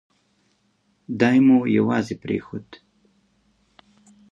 دای مو یوازې پرېښود.